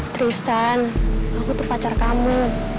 tristan aku tuh pacar kamu